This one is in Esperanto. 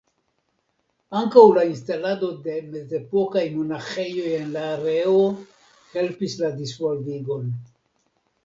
Ankaŭ la instalado de mezepokaj monaĥejoj en la areo helpis la disvolvigon.